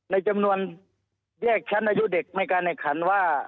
ในจำนวนแยกชั้นอายุเด็กในการแข่งขันว่า